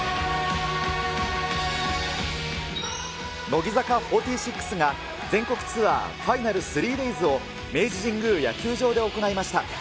乃木坂４６が、全国ツアーファイナル３デイズを明治神宮野球場で行いました。